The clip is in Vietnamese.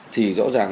thì rõ ràng